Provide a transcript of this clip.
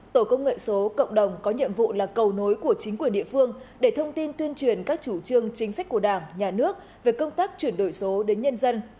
tổ công nghệ số cộng đồng có nhiệm vụ là cầu nối của chính quyền địa phương để thông tin tuyên truyền các chủ trương chính sách của đảng nhà nước về công tác chuyển đổi số đến nhân dân